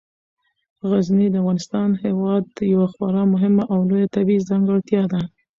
غزني د افغانستان هیواد یوه خورا مهمه او لویه طبیعي ځانګړتیا ده.